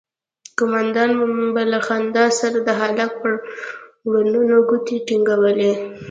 قومندان به له خندا سره د هلک پر ورنونو گوتې ټينگولې.